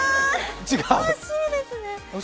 惜しいですね。